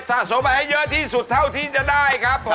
สะสมไปให้เยอะที่สุดเท่าที่จะได้ครับผม